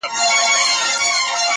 راسه دوې سترگي مي دواړي درله دركړم.